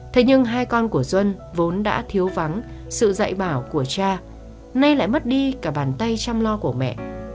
thế nhưng hai con của duân vốn đã thiếu vắng sự dạy bảo của cha nay lại mất đi cả bàn tay chăm lo của mẹ